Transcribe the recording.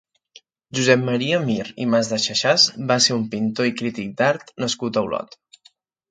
Josep Maria Mir i Mas de Xexàs va ser un pintor i crític d'art nascut a Olot.